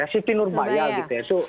siti nur bayar